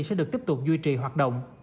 sẽ được tiếp tục duy trì hoạt động